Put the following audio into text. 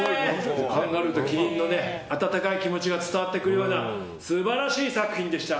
カンガルーとキリンの温かい気持ちが伝わってくるような素晴らしい作品でした。